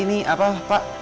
ini apa pak